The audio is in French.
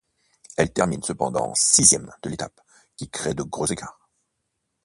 Elle termine cependant sixième de l'étape qui crée de gros écarts.